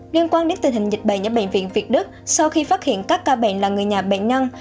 liên quan đến tình hình dịch bệnh ở bệnh viện việt đức sau khi phát hiện các ca bệnh là người nhà bệnh nhân